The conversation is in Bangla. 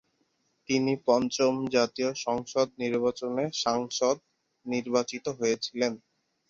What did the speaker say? তিনি পঞ্চম জাতীয় সংসদ নির্বাচনে সাংসদ নির্বাচিত হয়েছিলেন।